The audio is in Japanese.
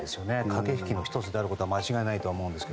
駆け引きの１つであることは間違いないと思いますが。